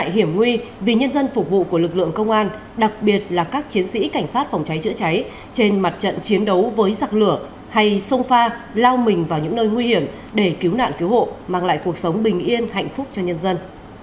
hiểm nguy vì nhân dân phục vụ của lực lượng công an đặc biệt là các chiến sĩ cảnh sát phòng cháy chữa cháy trên mặt trận chiến đấu với giặc lửa hay sông pha lao mình vào những nơi nguy hiểm để cứu nạn cứu hộ mang lại cuộc sống bình yên hạnh phúc cho nhân dân